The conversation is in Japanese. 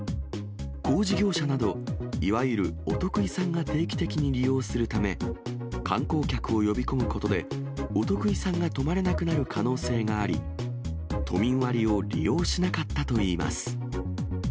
工事業者など、いわゆるお得意さんが定期的に利用するため、観光客を呼び込むことで、お得意さんが泊まれなくなる可能性があり、都民割を利用しなかったといいます。